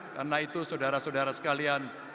karena itu saudara saudara sekalian